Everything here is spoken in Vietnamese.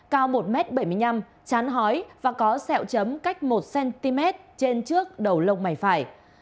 cao một m bảy mươi năm chán hói và có sẹo chấm cách một cm trên trước đầu lông mày phải